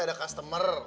iya tuh ada customer